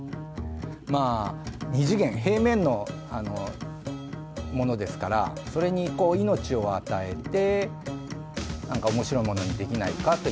二次元平面のものですからそれに命を与えてなんか面白いものにできないかという。